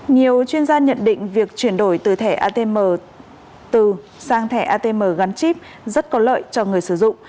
nhiều chuyên gia nhận định việc chuyển đổi từ thẻ atm từ sang thẻ atm gắn chip rất có lợi cho người sử dụng